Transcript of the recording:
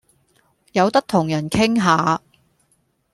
有得同人傾下